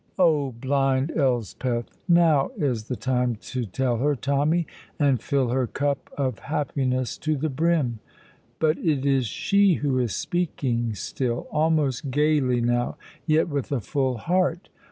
Oh, blind Elspeth! Now is the time to tell her, Tommy, and fill her cup of happiness to the brim. But it is she who is speaking still, almost gaily now, yet with a full heart.